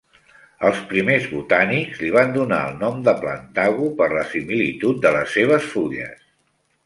Els primers botànics li van donar el nom de "Plantago" per la similitud de les seves fulles.